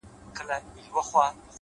• د زلمیو تویېدل پکښي سرونه ,